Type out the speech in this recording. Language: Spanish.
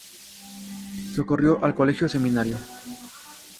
Socorrió al Colegio Seminario.